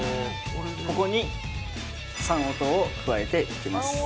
ここに三温糖を加えていきます